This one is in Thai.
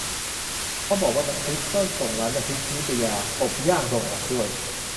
เขาบอกว่าน้ำพริก ก็ส่งร้านน้ำพริกนิตยา กบย่างส่งออกด้วย